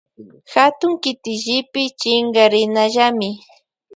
Katun kitillipi chinkarinallami.